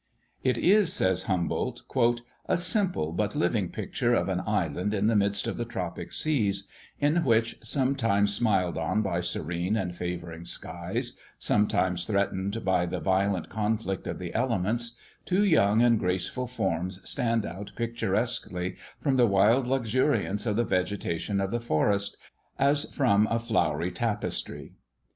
"It is," says Humboldt, "a simple, but living picture of an island in the midst of the tropic seas, in which, sometimes smiled on by serene and favouring skies, sometimes threatened by the violent conflict of the elements, two young and graceful forms stand out picturesquely from the wild luxuriance of the vegetation of the forest, as from a flowery tapestry.